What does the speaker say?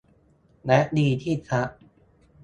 และดีที่ทัก